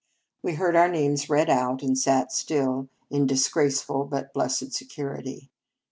We heard our names read out, and sat still, in dis graceful but blessed security.